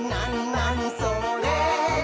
なにそれ？」